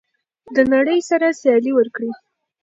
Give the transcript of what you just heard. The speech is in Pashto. له نړۍ سره سیالي وکړئ.